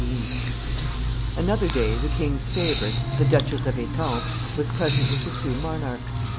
128] Another day the king's favorite, the Duchess of Etampes, was present with the two monarchs.